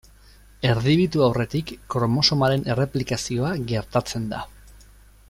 Erdibitu aurretik kromosomaren erreplikazioa gertatzen da.